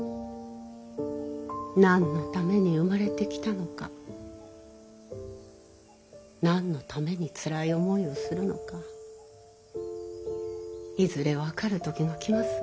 何のために生まれてきたのか何のためにつらい思いをするのかいずれ分かる時が来ます。